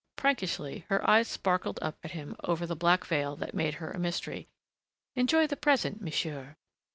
Prankishly her eyes sparkled up at him over the black veil that made her a mystery. "Enjoy the present, monsieur!"